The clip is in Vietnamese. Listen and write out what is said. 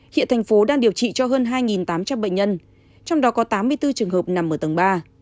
hiện thành phố đang điều trị cho hơn hai tám trăm linh bệnh nhân trong đó có tám mươi bốn trường hợp nằm ở tầng ba